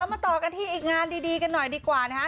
มาต่อกันที่อีกงานดีกันหน่อยดีกว่านะคะ